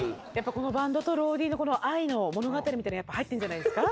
このバンドとローディーの愛の物語みたいの入ってんじゃないっすか。